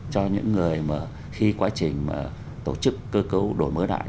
cho những người mà khi quá trình tổ chức cơ cấu đổi mới đại